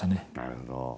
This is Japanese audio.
なるほど。